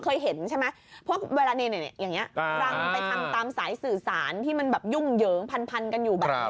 ก็เหมือนแบบที่ออกข่าวว่าสายสื่อสารมัยอย่างนั้น